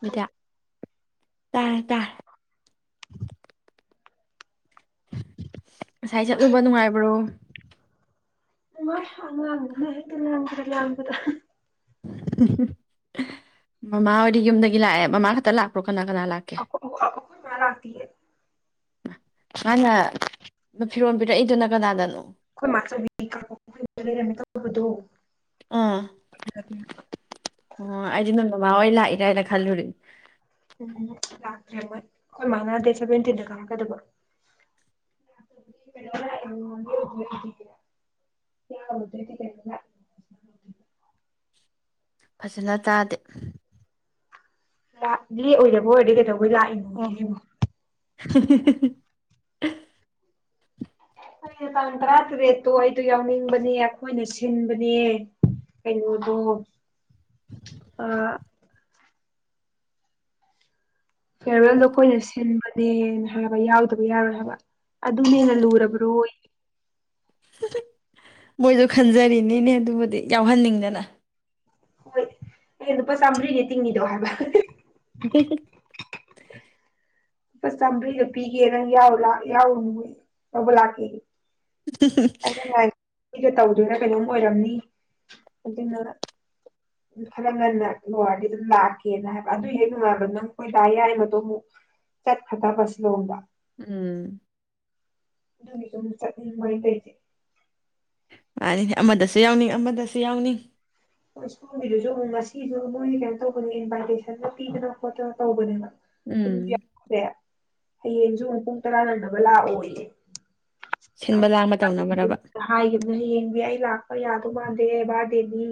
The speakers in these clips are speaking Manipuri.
ꯃꯤꯗ ꯇꯥꯔꯦ ꯇꯥꯔꯦ ꯉꯁꯥꯏ ꯆꯠꯂꯨꯕ ꯅꯨꯡꯉꯥꯏꯕ꯭ꯔꯣ ꯅꯨꯡꯉꯥꯏ ꯑꯉꯥꯡ ꯈꯔꯅ ꯍꯦꯛꯇ ꯂꯥꯡꯕꯗ ꯂꯥꯡꯕꯗ ꯑꯍ ꯍ ꯍ ꯃꯃꯥ ꯍꯣꯏꯗꯤ ꯌꯨꯝꯗꯒꯤ ꯂꯥꯛꯑꯦ ꯃꯃꯥ ꯈꯛꯇ ꯂꯥꯛꯄ꯭ꯔꯣ ꯀꯅꯥ ꯀꯅꯥ ꯂꯥꯛꯀꯦ ꯑꯈꯣ-ꯑꯈꯣꯏ ꯃꯥ ꯂꯥꯛꯇꯤꯌꯦ ꯃꯥꯅ ꯃꯥ ꯐꯤꯔꯣꯜ ꯄꯤꯔꯛꯏꯗꯨꯅ ꯀꯅꯥꯗꯅꯣ ꯑꯩꯈꯣꯏ ꯃꯥꯆꯧꯕꯤ [inaudible] ꯂꯩꯔꯝꯃꯦ ꯇꯧꯕꯗꯣ ꯑꯥ ꯑꯗꯨꯗ ꯄꯤꯔꯛꯄ ꯃꯥꯋꯣꯏ ꯂꯥꯛꯏꯔꯅ ꯈꯜꯂꯨꯔꯤ ꯎꯝ ꯔꯦ ꯃꯥꯅꯗꯦꯁꯕ ꯇꯗ ꯀꯒ ꯑꯗꯨꯒ [inaudible] ꯐꯖꯅ ꯇꯥꯗꯦ ꯂꯥꯛ ꯂꯦꯛꯑꯣꯏꯗꯕ ꯑꯣꯏꯔꯗꯤ ꯀꯦꯗꯧ ꯑꯣ ꯍꯤ ꯍꯤ ꯍꯤ ꯍꯤ ꯍꯥ ꯑꯩꯅ ꯇꯥꯡ ꯇꯔꯥꯇꯔꯦꯠꯇꯣ ꯑꯩꯗꯣ ꯌꯥꯎꯅꯤꯡꯕꯅꯦ ꯑꯩꯈꯣꯏꯅ ꯁꯤꯟꯕꯅꯦ ꯀꯩꯅꯣꯗꯣ ꯑ ꯐꯦꯔꯋꯦꯜꯗꯣ ꯈꯣꯏꯅ ꯁꯤꯟꯕ ꯗꯦꯅ ꯍꯥꯏꯕ ꯌꯥꯎꯗꯕ ꯌꯥꯎꯔꯣꯏ ꯍꯥꯏꯕ ꯑꯗꯨꯅ ꯍꯦꯟꯅ ꯂꯨꯔꯕ꯭ꯔꯣꯌꯦ ꯍ ꯍ ꯃꯣꯏꯗꯨ ꯈꯟꯖꯔꯤꯅꯤꯅꯦ ꯑꯗꯨꯕꯨꯗꯤ ꯌꯥꯎꯍꯟꯅꯤꯡꯗꯅ ꯍꯣꯏ ꯑꯩꯅ ꯂꯨꯄꯥ ꯆꯥꯝꯃ꯭ꯔꯤꯅꯦ ꯇꯤꯡꯅꯤꯗꯣ ꯍꯥꯏꯕ ꯍ ꯍ ꯍꯤ-ꯍꯤ ꯂꯨꯄꯥ ꯆꯥꯝꯃꯔꯤꯒ ꯄꯤꯒꯦ ꯅꯪ ꯌꯥꯎꯔꯂꯥꯎ ꯌꯥꯎꯔꯨꯅꯨ ꯂꯧꯕ ꯂꯥꯛꯀꯦꯌꯦ ꯍ ꯍ ꯍꯥ ꯑꯩꯒ ꯇꯧꯗꯣꯏꯅ ꯀꯩꯅꯣꯝ ꯑꯣꯏꯔꯝꯅꯤ ꯑꯗꯨꯅ ꯈꯔ ꯉꯟꯅ ꯂꯣꯏꯔꯗꯤ ꯑꯗꯨꯝ ꯂꯥꯛꯀꯦꯅ ꯍꯥꯏꯕ ꯑꯗꯨ ꯍꯦꯛ ꯅꯨꯡꯉꯥꯏꯥꯟꯕ ꯅꯪ ꯈꯣꯏ ꯗꯥ ꯌꯥꯏꯃꯗꯣ ꯑꯃꯨꯛ ꯆꯠꯈ꯭ꯔꯗꯕ ꯁꯤꯂꯣꯡꯗ ꯎꯨꯝ ꯑꯗꯨꯒꯤꯁꯨ ꯑꯃꯨꯛ ꯆꯠꯅꯤꯡꯕ ꯑꯩꯅ ꯇꯧꯔꯤꯁꯤ ꯃꯥꯅꯤꯅꯦ ꯑꯃꯗꯁꯨ ꯌꯥꯎꯅꯤ ꯑꯃꯗꯁꯨ ꯌꯥꯎꯅꯤꯡ ꯍꯣꯏ ꯁꯣꯝꯒꯤꯗꯨꯁꯨ ꯑꯃꯨꯛ ꯉꯁꯤꯁꯨ ꯃꯣꯏꯅ ꯀꯩꯅꯣ ꯇꯧꯕꯅꯦ ꯏꯟꯚꯥꯏꯇꯦꯁꯟꯒ ꯄꯤꯗꯅ ꯈꯣꯠꯇꯅ ꯇꯧꯕꯅꯦꯕ ꯑꯗꯨ ꯎꯝ ꯌꯥꯎꯇꯦ ꯍꯌꯦꯡꯁꯨꯨ ꯑꯃꯨꯛ ꯄꯨꯡ ꯇꯔꯥ ꯅꯪꯅꯕ ꯂꯥꯛꯑꯣꯌꯦ ꯁꯤꯟꯕ ꯂꯥꯡꯕ ꯇꯧꯅꯕ꯭ꯔꯕ ꯍꯥꯏꯈꯤꯕꯅꯤ ꯍꯌꯦꯡꯗꯤ ꯑꯩ ꯂꯥꯛꯄ ꯌꯥ ꯀꯨ ꯃꯥꯟꯗꯦ ꯕꯥꯔꯗꯦꯅꯤ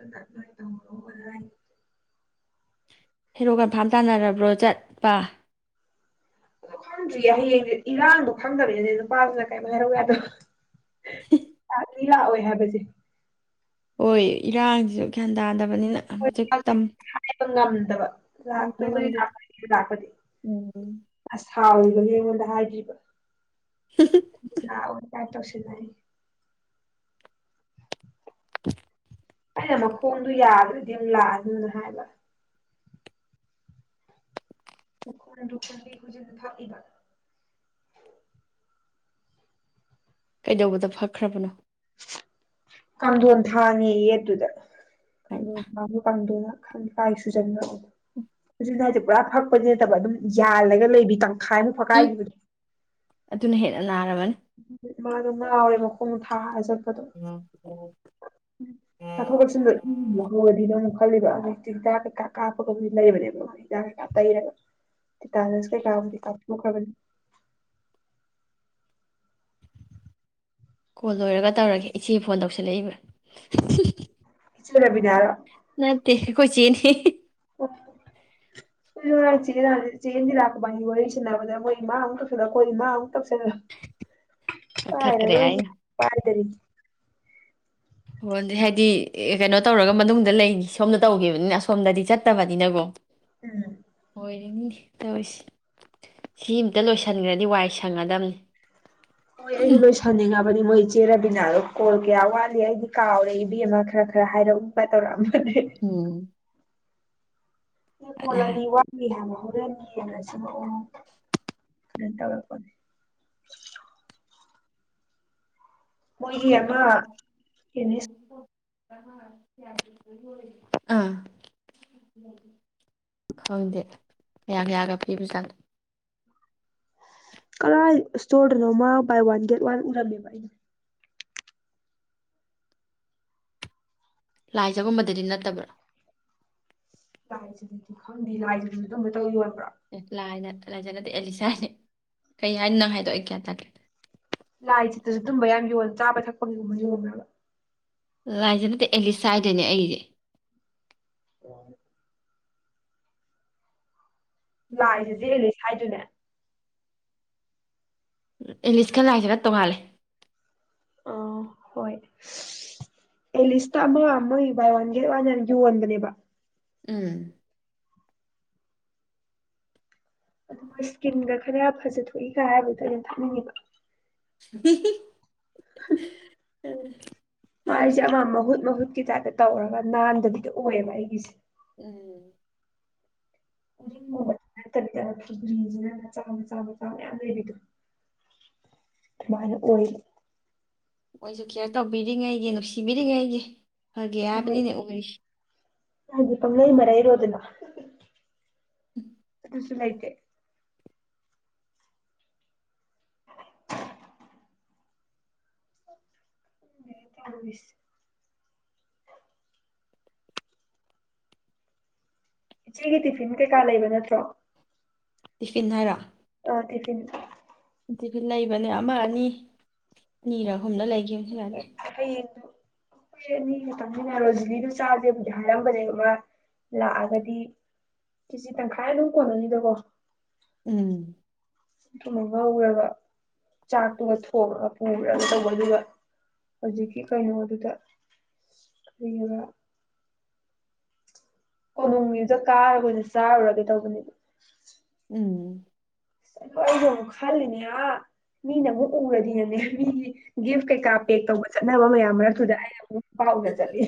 ꯑꯗꯨꯅ ꯅꯣꯏ ꯇꯧꯍꯜꯂꯧꯕꯁꯨ ꯌꯥꯏ ꯍꯦꯔꯣ ꯀꯟꯐꯥꯝ ꯇꯥꯅꯔꯕ꯭ꯔꯣ ꯆꯠꯄ ꯑ ꯈꯪꯗ꯭ꯔꯤꯌꯦ ꯍꯌꯦꯡꯗꯤ ꯏꯔꯥꯡꯗꯣ ꯈꯪꯗꯕꯤꯅꯤꯅ ꯑꯗꯨ ꯅꯨꯄꯥꯗꯨꯅ ꯀꯩꯝ ꯍꯥꯏꯔꯧ ꯌꯥꯗꯕꯗꯣ ꯍ ꯑꯩ ꯂꯥꯛꯑꯣꯏ ꯍꯥꯏꯕꯁꯦ ꯍꯣꯏ ꯏꯔꯥꯡꯁꯤꯁꯨ ꯒꯌꯥꯟ ꯇꯥꯗ ꯕꯅꯤꯅ ꯍꯧꯖꯤꯛ ꯇꯝ ꯗꯕ ꯇꯝꯕ ꯂꯥꯛꯇꯣꯏꯕꯅꯤ ꯉꯝꯗꯦ ꯂꯥꯛꯇꯣꯏꯅꯤ ꯂꯥꯛꯄꯗꯤ ꯎꯝ ꯁꯥꯎꯔꯤꯕꯅꯤ ꯑꯩꯉꯣꯟꯗ ꯍꯥꯏꯗ꯭ꯔꯤꯕ ꯂꯛꯑꯣ [inaudible] [inaudible] [inaudible] ꯑꯩꯅ ꯃꯈꯣꯡꯗꯨ ꯌꯥꯗ꯭ꯔꯗꯤ ꯑꯃꯨꯛ ꯂꯥꯛꯑꯅꯨꯅ ꯍꯥꯏꯕ [inaudible] ꯈꯨꯖꯤꯟ ꯐꯛꯏꯕ ꯀꯩꯗꯧꯕꯗ ꯐꯛꯈ꯭ꯔꯥꯕꯅꯣ ꯀꯥꯡꯗꯣꯟ ꯊꯥꯡꯉꯦꯌꯦ ꯑꯗꯨꯗ ꯍꯥꯏꯕ ꯀꯥꯡꯗꯣꯟ [inaudible] ꯀꯥꯡꯗꯣꯟ [inaudible] ꯁꯨꯖꯟꯕ [inaudible] ꯄꯨꯔꯥ ꯐꯛꯄꯗꯤ ꯅꯠꯇꯕ ꯑꯗꯨꯝ ꯌꯥꯜꯂꯒ ꯂꯩꯕꯤ ꯇꯪ ꯎꯝ ꯑꯗꯨꯅ ꯍꯦꯟꯅ ꯅꯥꯔꯝꯃꯅꯤ ꯃꯥ ꯑꯗꯨꯅ ꯂꯥꯎꯔꯦ ꯃꯈꯣꯡ ꯊꯥꯖ ꯆꯠꯊꯣꯛꯒꯁꯤ ꯎ ꯅꯣ ꯑꯃꯨꯛ ꯈꯜꯂꯤꯕ ꯑꯗꯨꯛꯇꯤ ꯍꯤꯟꯗꯥꯛ ꯀꯩꯀꯥ ꯀꯥꯞꯄꯒ ꯍꯧꯛ ꯂꯩꯕꯅꯦꯕ ꯍꯤꯟꯖꯥꯛ ꯀꯩꯀꯥ ꯇꯩꯔꯒ ꯇ ꯇꯥꯅꯁꯀ ꯂꯥꯕꯨꯗꯤ ꯀꯥꯞꯊꯣꯛꯈ꯭ꯔꯕꯅꯤ ꯀꯣꯜ ꯂꯣꯏꯔꯒ ꯇꯧꯔꯒꯦ ꯏꯆꯦ ꯐꯣꯟ ꯇꯧꯁꯤꯜꯂꯛꯏꯕ꯭ꯔꯥ ꯆ ꯈꯕꯤꯅꯤꯙ ꯅꯠꯇ ꯀꯣꯏ ꯆꯅꯤ ꯑꯩꯈꯣꯏ ꯉꯔꯥꯡ ꯆꯦ ꯏꯟꯗꯤꯔ ꯏꯕꯟꯅꯤ ꯌꯥꯔꯤ ꯁꯥꯟꯅꯕꯗ ꯃꯣꯏ ꯏꯃꯥ ꯑꯃꯨꯛ ꯇꯧꯁꯜꯂ ꯑꯩꯈꯣꯏ ꯏꯃꯥ ꯑꯃꯨꯛ ꯇꯧꯁꯜꯂ ꯄꯥꯏꯔ ꯀꯛꯊꯠꯈ꯭ꯔꯦ ꯔꯣꯏꯒꯦ ꯑꯩꯅ ꯄꯥꯏꯗꯔꯗꯤ ꯍꯣꯏꯗꯤ ꯍꯥꯏꯗꯤ ꯀꯩꯅꯣ ꯇꯧꯔꯒ ꯃꯅꯨꯡꯗ ꯂꯩꯅꯤ ꯁꯣꯝꯗ ꯇꯧꯈꯤꯕꯅꯤꯅ ꯑꯁ ꯁꯣꯝꯗꯗꯤ ꯆꯠꯇꯕꯅꯤꯅꯀꯣ ꯎꯝ ꯑꯣꯏꯔꯤꯅꯤꯅꯦ ꯇꯧꯔꯤꯁ ꯁꯤ ꯑꯃꯝꯇ ꯂꯣꯏꯁꯤꯟꯈ꯭ꯔꯗꯤ ꯋꯥꯏ ꯁꯪꯒꯗꯕꯅꯤ ꯍꯣꯏ ꯑꯩꯁꯨ ꯂꯣꯏꯁꯟꯅꯤꯉꯝꯅꯦ ꯍꯥꯏꯗꯤ ꯃꯣꯏ ꯏꯆꯦ ꯔꯕꯤꯅꯗꯣ ꯀꯣꯜ ꯀꯌꯥ ꯋꯥꯠꯂꯤ ꯑꯩꯗꯤ ꯀꯥꯎꯔꯦ ꯏꯕꯝꯃꯥ ꯈꯔ ꯈꯔ ꯍꯥꯏꯔꯛꯎꯕ ꯇꯧꯔꯛꯑꯝꯃꯦ ꯎꯝ ꯀꯣꯂ ꯑꯅꯤ ꯋꯥꯠꯂꯤ ꯍꯥꯏ ꯑꯣ ꯦꯟ [unintelligible] ꯇꯧꯔꯛꯄꯅꯦ [unintelligible] ꯃꯣꯏꯒꯤ ꯑꯃ ꯀꯦꯃꯤꯁ ꯍꯝ [unintelligible] ꯑꯥ ꯈꯪꯗꯦ ꯌꯥ ꯌꯥꯒ [unintelligible] ꯄꯤꯕ [unintelligible] ꯆꯥ [unintelligible] ꯀꯔꯥꯏ ꯁꯇꯣꯔꯗꯅꯣꯝꯃ ꯕꯥꯏ ꯋꯥꯟ ꯒꯦꯠ ꯋꯥꯟ ꯎꯔꯝꯃꯦꯕ ꯂꯥꯏꯖꯒꯨꯝꯕꯗꯗꯤ ꯅꯠꯇꯕ꯭ꯔꯣ ꯂꯥꯏꯖ [unintelligible] ꯈꯪꯗꯤ ꯂꯥꯏ ꯖꯗꯨ ꯑꯗꯨꯝꯕꯩꯇꯪ ꯌꯣꯟꯕꯔꯣ ꯑꯦ ꯂꯥꯏ ꯂꯥꯏꯖꯠ ꯅꯠꯇꯦ ꯑꯦꯂꯤꯁꯥꯅꯦ ꯀꯩ ꯍꯥꯏꯅꯤ ꯅꯪ ꯍꯥꯏꯗꯣꯛ ꯑꯩ ꯀꯌꯥ ꯇꯦ ꯂꯥꯏ ꯆꯠꯇꯁꯨ ꯇꯨꯝꯕ ꯌꯥꯝ ꯌꯣꯜ [unintelligible] ꯆꯥꯕ ꯊꯛꯄꯒꯤꯒꯨꯝꯕ ꯌꯣꯟꯕꯔ꯭ꯕ ꯔꯥꯏꯖ ꯅꯠꯇꯦ ꯑꯦꯂꯤꯁ ꯍꯥꯏꯗꯅꯦ ꯑꯩꯁꯦ ꯑꯣ ꯂꯥꯏꯖꯗꯤ ꯑꯦꯂꯤꯁ ꯍꯥꯏꯗꯨꯅꯦ ꯑꯦꯂꯤꯁ ꯀ ꯂꯥꯏꯖꯒ ꯇꯣꯡꯉꯥꯜꯂꯦ ꯑ ꯍꯣꯏ ꯑꯦ ꯂꯤꯁ ꯇ ꯑꯃ ꯃꯣꯏ ꯕꯥꯏ ꯋꯥꯟ ꯒꯦꯠ ꯋꯥꯟ ꯌꯥꯝ ꯌꯣꯟꯕꯅꯦꯕ ꯎꯝ ꯑꯗꯨ ꯃꯣꯢ ꯁꯀꯤꯟꯒ ꯈꯔ ꯐꯖꯊꯣꯛꯏꯒ ꯍꯥꯏꯕꯗ ꯑꯩꯅ ꯊꯛꯅꯤꯡꯉꯤꯕ [inaudible] ꯎꯝ ꯃꯥꯏꯖꯦ [unintelligible] ꯃꯍꯨꯠ ꯃꯍꯨꯠ ꯀꯤ ꯇꯥꯏꯞ ꯇꯧꯔꯒ ꯅꯥꯟꯗꯗꯤ ꯑꯣꯏꯌꯦꯕ ꯑꯩꯒꯤꯁꯦ ꯎꯝ [unintelligible] ꯐꯨꯒ꯭ꯔꯤꯁꯤꯅ ꯃꯆꯥ ꯃꯆꯥ ꯃꯆꯥ ꯃꯌꯥꯝ ꯂꯩꯕꯤꯗꯣ ꯃꯥꯏ ꯑꯣꯏ ꯃꯣꯏꯁꯨ ꯀꯦꯌꯔ ꯇꯧꯕꯤꯔꯤꯉꯩꯒꯤ ꯅꯨꯡꯁꯤꯕꯤꯔꯤꯉꯩꯒꯤ ꯐꯒꯦ ꯍꯣꯏ ꯍꯥꯏꯕꯅꯤꯅꯦ ꯑꯣꯏꯁꯤ [unintelligible] ꯄꯪꯂꯩ ꯃꯔꯩꯔꯣꯗꯅ ꯎꯝ [unintelligible] ꯂꯩꯇꯦ [unintelligible] ꯇꯧꯔꯤꯁꯦ ꯏꯆꯦꯒꯤ ꯇꯤꯐꯤꯟ ꯀꯩꯀꯥ ꯂꯩꯕ ꯅꯠꯇ꯭ꯔꯣ ꯇꯤꯐꯤꯟ ꯍꯥꯏꯔꯣ ꯑ ꯇꯤꯐꯤꯟ [unintelligible] ꯂꯩꯕꯅꯦ ꯑꯃ ꯑꯅꯤ ꯑꯅꯤꯔꯣ ꯑꯍꯨꯝꯗ ꯂꯩꯈꯤꯕ [unintelligible] ꯗ [unintelligible] ꯑꯅꯤꯅ ꯔꯣꯖꯤꯂꯤꯗꯨ ꯆꯥꯗꯦꯕꯨꯗꯤ ꯍꯥꯏꯔꯝꯕꯅꯦꯕ ꯂꯥꯛꯑꯒꯗꯤ ꯀꯤꯖꯤ ꯇꯪꯈꯥꯏ ꯑꯗꯨꯝ ꯀꯣꯟꯅꯅꯤꯗꯀꯣ ꯎꯝ ꯑꯗꯨꯃ ꯉꯧꯔꯕ ꯆꯥꯛꯇꯨꯒ ꯊꯣꯡꯉ ꯄꯨꯔꯒ ꯇꯧꯕꯩꯗꯨꯒ ꯍꯧꯖꯤꯛꯀꯤ ꯀꯩꯅꯣꯗꯨꯗ ꯑꯗꯨꯗꯨꯒ ꯀꯣꯅꫭꯃꯤꯗ ꯀꯥꯒꯗꫭꯏꯅꯤ ꯆꯥꯔꯨꯔꯒ ꯇꯧꯕꯅꯤ ꯎꯝ ꯑꯩꯁꯨ ꯑꯃꯨꯛ ꯈꯜꯂꯤꯅꯦ ꯑꯥ ꯃꯤꯅ ꯃꯨꯛ ꯎꯔꯗꯤ ꯑꯅꯦ ꯌꯨꯝꯒꯤ ꯒꯤꯐ ꯀꯩꯀꯥ ꯄꯦꯛ ꯇꯧꯕ ꯆꯠꯅꯕ ꯃꯌꯥꯝ ꯃꯔꯛꯇꯨꯗ ꯑꯩꯅ ꯑꯃꯨꯛ ꯅꯨꯄꯥ ꯎꯅ ꯆꯠꯂꯦ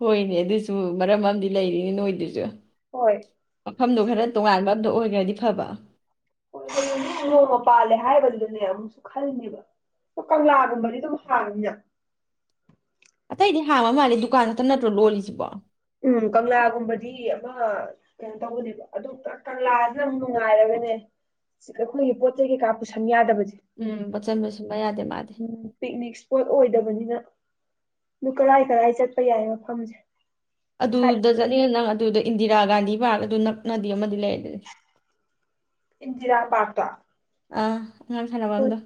ꯍꯣꯏꯅꯦ ꯑꯗꯨꯁꯨ ꯃꯔꯝ ꯑꯃꯗꯤ ꯂꯩꯔꯤꯅꯤ ꯅꯣꯏꯗꯨꯁꯨ ꯍꯣꯏ ꯃꯐꯝꯗꯨ ꯈꯔ ꯇꯣꯉꯥꯟꯕ ꯑꯝꯗ ꯑꯣ ꯌꯥꯗꯤ ꯐꯕ ꯀꯣꯏꯕꯗꯗꯤ ꯅꯣꯡꯃ ꯄꯥꯜꯂꯦ ꯍꯥꯏꯕꯗꯨꯗꯅꯦ ꯑꯃꯨꯛꯁꯨ ꯈꯜꯂꯤꯅꯦꯕ ꯑ ꯀꯪꯂꯥꯒꯨꯝꯕꯗꯤ ꯑꯗꯨꯝ ꯍꯥꯡꯉꯅꯤꯅ ꯑꯇꯩꯗꯤ ꯍꯥꯡꯕ ꯃꯥꯜꯂꯦ ꯗꯨꯀꯥꯟ ꯈꯇ ꯅꯠꯇ꯭ꯔꯣ ꯂꯣꯜꯂꯤꯁꯤꯕꯣ ꯎꯝ ꯀꯪꯂꯥꯒꯨꯝꯕꯗꯤ ꯃ ꯀꯩꯅꯣ ꯇꯧꯕꯅꯦꯕ ꯑꯗꯨ ꯀ ꯀꯪꯂꯥꯁꯅ ꯑꯃꯨꯛ ꯅꯨꯡꯉꯥꯏꯔꯒꯅꯦ ꯑꯩꯈꯣꯏꯒꯤ ꯄꯣꯠ ꯆꯩ ꯀꯩꯀꯥ ꯄꯨꯁꯟ ꯌꯥꯗꯕ ꯎꯝ ꯄꯆꯟ ꯕꯁꯨ ꯎꯝ ꯄꯤꯛꯅꯤꯛ ꯁ ꯄꯣꯠ ꯑꯣꯏꯗꯕꯅꯤꯅ ꯗꯨ ꯀꯔꯥꯏ ꯀꯔꯥꯏ ꯆꯠ ꯄ ꯌꯥꯏ ꯃꯐꯝꯁꯦ ꯁꯥꯏ ꯑꯗꯨꯗ ꯆꯠꯅꯤꯅꯉ ꯅꯪ ꯑꯗꯨꯗ ꯏꯟꯗꯤꯔꯥ ꯒꯥꯟꯙꯤ ꯄꯥꯔꯛ ꯑꯗꯨ ꯅꯛꯅꯗꯤ ꯑꯃꯗꯤ ꯂꯩꯔ ꯏꯟꯗꯤꯔꯥ ꯄꯥꯔꯇꯥ ꯑ ꯑꯥꯉꯥꯡ ꯁꯥꯟꯅꯚꯝ ꯗꯣ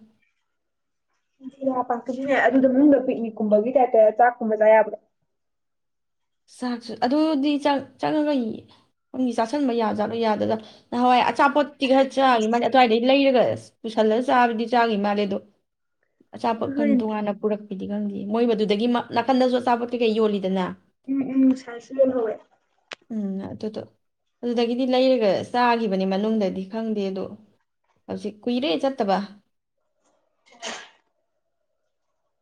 ꯏꯟꯗꯤꯔꯥ ꯄꯥꯛ ꯇꯨꯁꯨ ꯌꯥꯏ ꯑꯗꯨꯗ ꯃꯅꯨꯡꯗ ꯄꯤꯛꯅꯤꯛꯀꯨꯝꯕꯒꯤ ꯇꯥꯏꯞꯇ ꯆꯥꯛꯀꯨꯝꯕ ꯆꯥ ꯌꯥꯕ꯭ꯔ ꯆꯥꯛꯁꯨ ꯑꯗꯨꯗꯤ ꯆ ꯆꯪꯉꯒ ꯌ ꯆꯥꯁꯤꯟꯕ ꯌꯥꯖꯥꯠꯂꫭ ꯌꯥꯗꯖꯥꯠ ꯅꯍꯥꯋꯥꯏ ꯆꯥꯄꫭꯠꯇꯤ ꯈꯔ ꯆꯥꯘꯤ ꯃꯥꯟꯅꯦ ꯑꯗꯨꯋꯥꯏꯗꯩ ꯂꯩꯔꯒ ꯄꯨꯁꯜꯂꯒ ꯆꯥꯕꯗꯤ ꯆꯥꯘꯤ ꯃꯥꯜꯂꯦ ꯑꯗꯣ ꯑꯆꯥꯄꫭꯠ ꯀꯟ ꯇꯣꯉꯥꯟꯅ ꯄꯨꯔꯛ ꯒꯤꯗꯤ ꯈꯪꯗꯦ ꯃꯣꯏ ꯃꯗꯨꯗꯒꯤ ꯅꯥꯀꯟꯗꯁꯨ ꯑꯆꯥꯄꯣꯠ ꯀꯩꯀꯩ ꯌꯣꯜꯂꯤꯗꯅ ꯎꯝ ꯎꯝ ꯉꯁꯥꯏꯁꯨ ꯌꫭꯜꯍꯧꯋꯦ ꯎꯝ ꯑꯗꯨꯗꯣ ꯑꯗꯨꯗꯒꯤꯗꯤ ꯂꯩꯔꯒ ꯆꯥꯈꯤꯕꯅꯤ ꯃꯅꯨꯡꯗꯗꯤ ꯈꯪꯗꯦ ꯑꯗꯣ ꯍꯧꯖꯤꯛ ꯀꯨꯏꯔꯦ ꯆꯠꯇꯕ [unintelligible]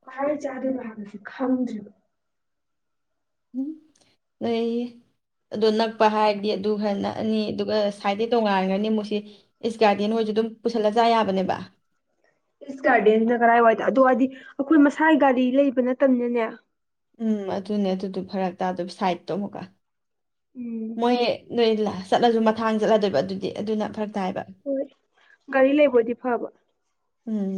ꯈ ꯆꯥꯗꯦ ꯂꯕꯁꯦ ꯈꯪꯗ꯭ꯦꯔꯤꯕ ꯎꯝ ꯅꯣꯏꯌꯦ ꯑꯗꯨꯗꯣ ꯅꯛꯄ ꯍꯥꯏꯔꯗꯤ ꯑꯗꯨ ꯈꯔ ꯅꯛꯑꯅꯤ ꯑꯗꯨꯒ ꯁꯥꯏꯗꯠꯇꯩ ꯇꯣꯉꯥꯟꯔꯒꯅꯤ ꯃꯨꯛꯁꯤ ꯏꯁ ꯒꯥꯔꯗꯦꯟ ꯍꯣꯏꯁꯨ ꯑꯗꯨꯝ ꯄꯨꯁꯜꯂ ꯆꯥ ꯌꯥꯕꯅꯦꯕ ꯐꯁ ꯀꯒꯥꯗꯅ ꯀꯔ ꯑꯣꯏꯦ ꯑꯗꯨ ꯑꯗꯤ ꯑꯩꯈꯣꯏ ꯃꯁꯥꯒꯤ ꯒꯥꯔꯤ ꯂꯩꯕ ꯅꯠꯇꯕꯅꯅꯦ ꯎꯝ ꯑꯗꯨꯅꯦ ꯑꯗꯨꯗꯤ ꯐꯔꯛ ꯇꯥꯗ ꯁꯥꯏꯠꯇꯣ ꯑꯃꯨꯛꯀ ꯎꯝ ꯃꯣꯏ ꯍ ꯅꯣꯏ ꯆꯠꯂꯁꯨ ꯃꯊꯥꯡ ꯆꯠꯂꯗꯣꯏꯕ ꯑꯗꯨꯗꯤ ꯑꯗꯨꯅ ꯐꯔꯛ ꯇꯥꯏꯕ ꯍꯣꯏ ꯒꯥꯔꯤ ꯂꯩꯕꯗꯤ ꯐꯕ ꯎꯝ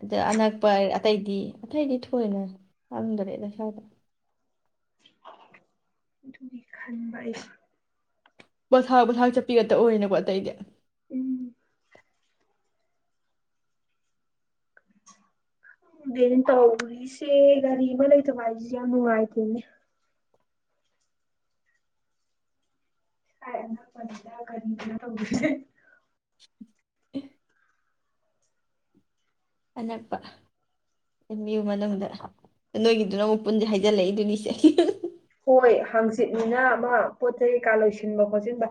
ꯑꯗ ꯑꯅꯛꯄ ꯑꯇꯩꯗꯤ ꯑꯇꯩꯗꯤ ꯊꯣꯏꯅ ꯍꯪꯗꯣꯔꯦ ꯑꯗꯣ ꯏꯁꯥꯎꯗ ꯑꯗꯨꯒꯤ ꯈꯥꯟꯕ ꯑꯩꯁꯦꯏ ꯄꯣꯊꯥ ꯄꯣꯊ ꯆꯠꯄꯤꯒꯗ ꯑꯣꯏꯦꯅꯀꯣ ꯑꯇꯩꯗꯤ ꯎꯝ ꯗꯅꯦꯟ ꯇꯧꯔꯤꯁꯦ ꯒꯥꯔꯤ ꯑꯃ ꯂꯩꯇꯕ ꯍꯥꯏꯁꯦ ꯌꯥꯝ ꯅꯨꯡꯉꯥꯏꯇꯦꯅꯦ ꯁꯥꯏ ꯑꯅꯛꯄꯗ ꯀꯔꯦ ꯀꯅꯤ ꯇꯦ ꯑꯥꯥ ꯑꯅꯛꯄꯨ ꯃꯅꯨꯡꯗ ꯅꯣꯏꯒꯤꯗꯨꯅ ꯑꯃꯨꯛ ꯄꯨꯟꯁꯦ ꯍꯥꯏꯖꯤꯜꯂꯛꯏꯗꯨꯅꯤ ꯍꯣꯏ ꯍꯥꯡꯆꯤꯠꯅꯤꯅ ꯑꯃ ꯄꯣꯠ ꯆꯩꯩ ꯀꯩꯀꯥ ꯂꯣꯏꯁꯤꯟꯕ ꯈꯣꯠꯁꯤꯟꯕ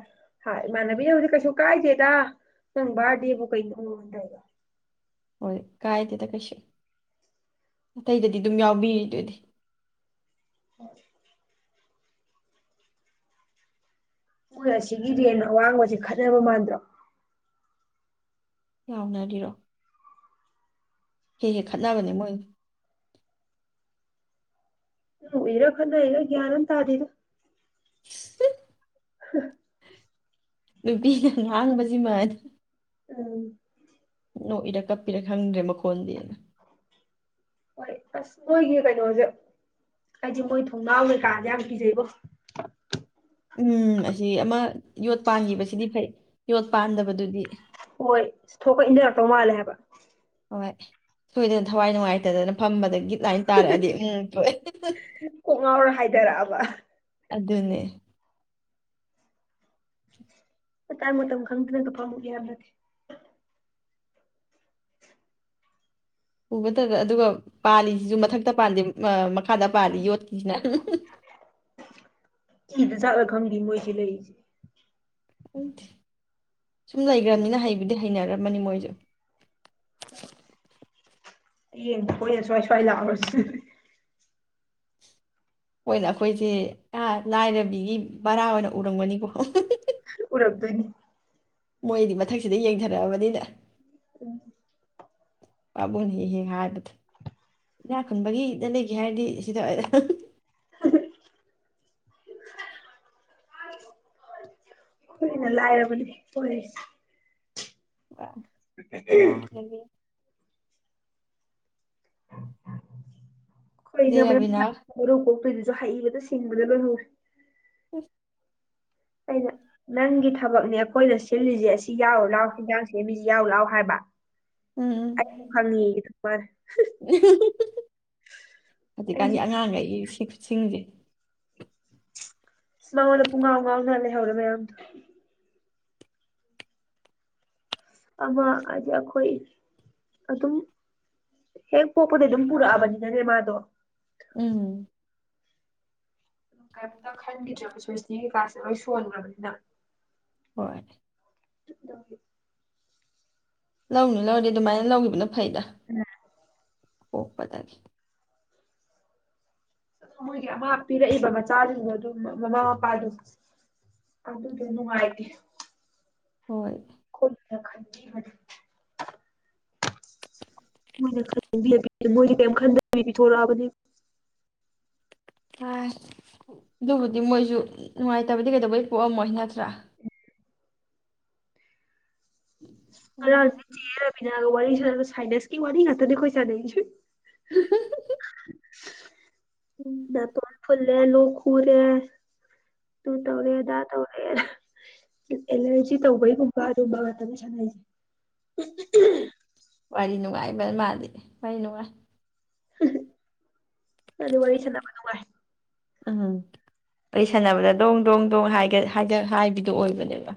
ꯏꯃꯥꯟꯅꯕꯤꯅꯕꯨꯗꯤ ꯀꯩꯁꯨ ꯀꯥꯏꯗꯦꯗ ꯅꯪ ꯕꯥꯔꯗꯤꯦꯕꯨ ꯀꯩꯅꯗꯧꯅꯨꯡ ꯋꯥꯟꯗ꯭ꯔꯦꯒ ꯍꯣꯏ ꯀꯥꯏꯗꯦꯗ ꯀꯩꯁꯨ ꯑꯇꯩꯗꯗꯤ ꯑꯗꯨꯝ ꯌꯥꯎꯕꯤꯔꯤ ꯑꯗꯨꯑꯣꯗꯤ ꯍꯣꯏ ꯅꯣꯏ ꯑꯁꯤꯒꯤ ꯔꯦꯟ ꯑꯋꯥꯡꯕꯁꯦ ꯈꯠꯅꯕ ꯃꯥꯟꯗ꯭ꯔꯣ ꯂꯥꯎꯅꯔꯤꯔꯣ ꯍꯦ ꯍꯦ ꯈꯠꯅꯕꯅꯦ ꯃꯣꯏ ꯎ ꯏꯔꯣ ꯀꯅꯥꯏꯂ ꯒꯟ ꯑꯃꯥ ꯇꯥꯗꯦꯗꯥ [unintelligible] ꯑꯩꯁ ꯅꯨꯄꯤꯒ ꯉꯥꯡꯕꯁꯤꯃꯅꯤ ꯎꯝ ꯃꯣꯛ ꯏꯔ ꯀꯞꯄꯤꯔꯛ ꯈꯪꯗ꯭ꯔꯦ ꯃꯈꯣꯟꯗꯤꯅ ꯍꯣꯏ ꯑꯁ ꯃꯣꯏꯒꯤ ꯀꯩꯅꯣꯁꯦ ꯍꯥꯏꯗꯤ ꯃꯣꯏ ꯊꯣꯡꯅꯥꯎ ꯀꯩꯀꯥꯥꯁ ꯌꯥꯝ ꯄꯤꯖꯩꯕꯣ ꯎꯝ ꯑꯁꯤ ꯑꯃ ꯌꯣꯠ ꯄꯥꯟꯈꯤꯕꯁꯤꯗꯤ ꯐꯩ ꯌꯣꯠ ꯄꯥꯟꯗꯕꯗꯨꯗꯤ ꯍꯣꯏ ꯊꯣꯛꯄ ꯏꯟꯖꯔꯛꯇꯧ ꯃꯥꯜꯂꯦ ꯍꯥꯏꯕ ꯍꯣꯏ ꯁꯣꯏꯗꯅ ꯊꯋꯥꯏ ꯅꯨꯡꯉꯥꯏꯇꯗꯅ ꯐꯝꯕꯗꯒꯤ ꯂꯥꯏꯅ ꯇꯥꯔꯛꯑꯗꯤ ꯎꯝ ꯗꯔꯕ ꯑꯗꯨꯗꯅꯦ ꯃꯇꯥꯡ ꯃꯥꯇꯝ ꯈꯪꯗꯅꯥ ꯐꯃꯨꯒ ꯌꯥꯝ ꯅ ꯎꯕꯗꯕ ꯑꯗꯨꯒ ꯄꯥꯜꯂꯤꯁꯤꯁꯨ ꯃꯊꯛꯇ ꯄꯥꯜꯂꯤꯦ ꯃꯈꯥꯗ ꯄꯥꯜꯂꯤ ꯌꯣꯠꯈꯤꯁꯤꯅ ꯏꯤꯗ ꯆꯖꯠꯂ ꯈꯪꯗꯦ ꯃꯣꯏꯁꯤ ꯂꯩꯔꯤꯁꯦ ꯈꯪꯗꯦ ꯁꯨꯝ ꯂꯩꯈ꯭ꯔꯕꯅꯤꯅ ꯍꯩꯕꯗꯤ ꯍꯩꯅꯔꯝꯃꯅꯤ ꯃꯣꯏꯁꯨ ꯍꯣꯏ ꯏꯅ ꯁ꯭ꯋꯥꯏ ꯁ꯭ꯋꯥꯏ ꯂꯧꯖꯗ ꯑꯣꯏꯅ ꯑꯩꯈꯣꯏꯁꯦ ꯂꯥꯏꯔꯕꯤꯒꯤ ꯚꯔꯥ ꯑꯣꯏꯅ ꯎꯔꯝꯒꯅꯤꯀꯣ ꯎꯔꯝꯗꯣꯏꯅꯤ ꯃꯣꯏꯗꯤ ꯃꯊꯛꯁꯤꯗ ꯌꯦꯡꯊꯔꯛꯑꯕꯅꯤꯅ ꯎꯝ ꯄꯥꯅꯤ ꯍ ꯍꯥ ꯏꯅꯥ ꯈꯨꯟꯕꯒꯤꯗ ꯂꯩꯒꯦ ꯍꯥꯏꯔꯗꯤ ꯁꯤꯗ ꯍꯣꯏꯅ ꯂꯥꯏꯔꯕꯅꯦ ꯍꯣꯏꯁ [inaudible] ꯈꯣꯏꯅꯦ ꯃꯔ ꯂꯩꯔꯕꯤꯅ ꯀꯣꯛ ꯍꯩꯕꯗ ꯁꯤꯡꯕꯗ ꯂꯣꯏꯔꯨ ꯑꯁ ꯑꯗ ꯅꯪꯗ ꯊꯕꯛꯅꯦ ꯑꯩꯈꯣꯏꯗ ꯁꯤꯜꯂꯤꯁꯦ ꯁꯤ ꯌꯥꯎꯔ ꯂꯥꯛꯑꯣ ꯍꯦꯟꯖꯥꯡꯁꯦ ꯃꯤꯁꯤ ꯌꯥꯎꯔ ꯂꯥꯛꯑꯣ ꯍꯥꯏꯕ ꯎꯝ ꯑꯩ ꯍꯪꯉꯒꯤ ꯍꯧꯖꯤꯛꯀꯥꯟꯒꯤ ꯑꯩꯁꯨ ꯑꯉꯥꯡꯈꯩꯒꯤ ꯁꯤꯡꯁꯦ ꯁꯃꯗ ꯄꯨꯡꯉꯥꯎ ꯉꯥꯡꯅ ꯂꯩꯍꯧꯔꯦ ꯃꯌꯥꯝꯗꯣ ꯑꯃ ꯍꯥꯏꯗꯤ ꯑꯩꯈꯣꯏ ꯑꯗꯨꯝ ꯍꯦꯛ ꯄꯣꯛꯄꯗ ꯑꯗꯨꯝ ꯄꯨꯔꯛꯑꯕꯅꯤꯅꯅꯦ ꯃꯥꯗꯣ ꯎꯝ ꯈꯔ ꯆꯕꯁ ꯁꯤꯀꯥꯁꯦ ꯂꯣꯏ ꯁꯣꯟꯈ꯭ꯔꯕꯅꯤꯅ ꯍꯣꯏ ꯆꯗꯦ ꯂꯧꯅꯤ ꯂꯧꯔꯦ ꯑꯗꯨꯃꯥꯏꯅ ꯂꯧꯈꯤꯕꯅꯣ ꯐꯥꯏꯗ ꯑꯣ ꯄꯒ ꯑ ꯃꯣꯏꯒꯤ ꯑꯃ ꯄꯤꯔꯛꯏꯕ ꯃꯆꯥꯁꯤꯡꯗꯣ ꯑꯗꯨ ꯃꯃꯥ ꯃꯄꯥꯗꯣ ꯑꯗꯨꯗꯣ ꯅꯨꯡꯉꯥꯏꯇꯦ ꯍꯣꯏ ꯈꯣ ꯈꯟꯗꯤ ꯃꯣꯏꯅ ꯃꯣꯏꯗꯤ ꯀꯩꯝ ꯈꯟꯕꯤꯊꯣꯔꯛꯑꯕꯅꯦ ꯑ ꯑꯗꯨꯕꯨꯗꯤ ꯃꯣꯏꯁꯨ ꯅꯨꯡꯉꯥꯏꯇꯕꯗꯤ ꯀꯩꯗꯧꯕꯩ ꯄꯣꯛꯑꯝꯃꯣꯏ ꯅꯠꯇ꯭ꯔꯥ ꯍ ꯍꯣꯏ. ꯆꯦꯔꯕꯤꯅ ꯋꯥꯔꯤ ꯁꯥꯏꯗꯦꯁꯀꯤ ꯋꯥꯔꯤ ꯉ ꯍꯥꯗꯤꯈꯣꯏ ꯆꯗꯁꯨ [inaudible] ꯎꯝ. [unintelligible] ꯇ ꯐꯜꯦꯅꯨ ꯈꯔꯦ ꯇꯨꯟ ꯇꯧꯔꯦꯗꯥ ꯇꯧꯔꯦ ꯑꯦꯂꯔꯖꯤꯤ ꯇꯧꯕꯩꯒꯨꯝꯕ ꯊꯨꯕ ꯑ ꯀꯁꯥꯟ ꯍꯥꯏꯦ ꯋꯥꯔꯤꯔꯤꯅꯅꯨꯡꯉꯥꯏ ꯃꯥꯗꯤ ꯀꯩꯅꯅꯨꯡꯉꯥꯏ [inaudible] ꯑꯗꯨ ꯋꯥꯔꯤ ꯁꯥꯟꯅꯕ ꯅꯨꯡꯉꯥꯢ ꯎꯝ ꯋꯥꯔꯤ ꯁꯥꯟꯅꯕꯗ ꯗꯣꯡ ꯗꯣꯡ ꯗꯣꯡ ꯍꯥꯢꯒꯠ ꯍꯥꯢꯒꯠ ꯍꯥꯏꯕꯤꯗꯣ ꯑꯣꯏꯕꯅꯦꯕ